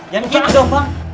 yang ini aja om